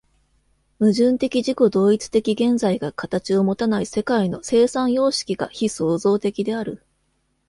矛盾的自己同一的現在が形をもたない世界の生産様式が非創造的である。